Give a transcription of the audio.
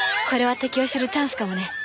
これは敵を知るチャンスかもね。